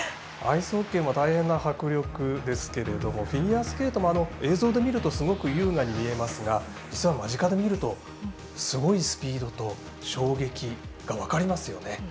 アイスホッケーも大変な迫力ですけれどもフィギュアスケートも映像で見るとすごく優雅に見えますが実は間近で見るとすごいスピードと衝撃が分かりますよね。